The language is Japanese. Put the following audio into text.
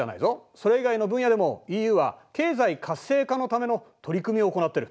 それ以外の分野でもＥＵは経済活性化のための取り組みを行ってる。